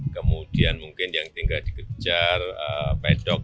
kemudian mungkin yang tinggal dikejar pedok